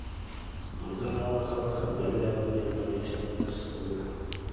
Omuzaana wa Kabaka agabira banne enva ayitibwa Nassaza.